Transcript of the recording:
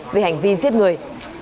về hành vi giết người